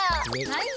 はい。